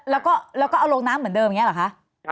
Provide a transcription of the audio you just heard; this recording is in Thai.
แล้วก็เอาลงน้ำเหมือนเดิมอย่างนี้เหรอคะ